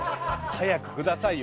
早くくださいよ。